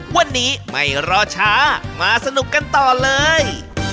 วันนี้ไม่รอช้ามาสนุกกันต่อเลย